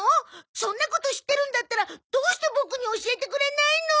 そんなこと知ってるんだったらどうしてボクに教えてくれないの！